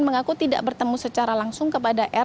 mengaku tidak bertemu secara langsung kepada r